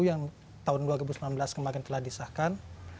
yang tahun dua ribu sembilan belas kemarin telah disahkan